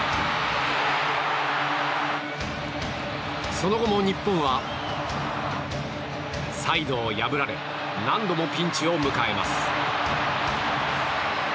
その後も、日本はサイドを破られ何度もピンチを迎えます。